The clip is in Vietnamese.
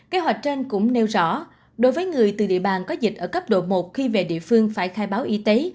kế hoạch trên cũng nêu rõ đối với người từ địa bàn có dịch ở cấp độ một khi về địa phương phải khai báo y tế